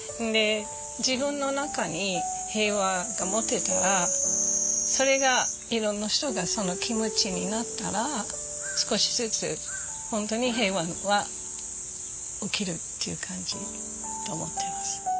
自分の中に平和が持てたらそれがいろんな人がその気持ちになったら少しずつ本当に平和は起きるっていう感じと思ってます。